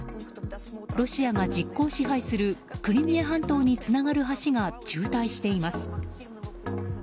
ロシアが実効支配するクリミア半島につながる橋が渋滞しています。